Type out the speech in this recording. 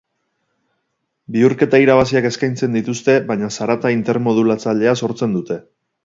Bihurketa-irabaziak eskaintzen dituzte, baina zarata intermodulatzailea sortzen dute.